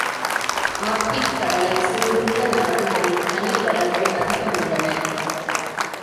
ஆர்க்டிக்கடலைச் சூழ்ந்துள்ள நாடுகளில் கனி வளங்கள் அதிகமுள்ளன.